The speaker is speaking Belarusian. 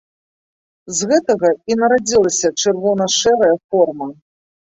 З гэтага і нарадзілася чырвона-шэрая форма.